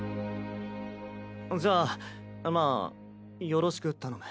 じゃあまあよろしく頼む。